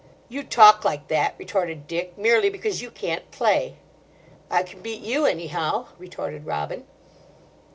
"You talk like that," retorted Dick, "merely because you can't play." "I can beat you, anyhow," retorted Robin.